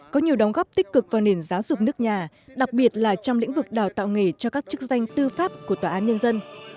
có nhiều đóng góp tích cực vào nền giáo dục nước nhà đặc biệt là trong lĩnh vực đào tạo nghề cho các chức danh tư pháp của tòa án nhân dân